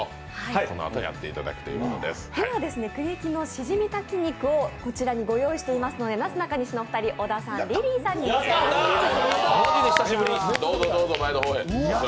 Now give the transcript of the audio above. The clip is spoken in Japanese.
しじみ炊き肉をこちらにご用意していますのでなすなかのお二人、小田さん、リリーさんに召し上がっていただきます。